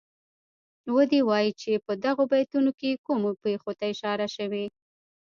ودې وايي چه په دغو بیتونو کې کومو پېښو ته اشاره شوې.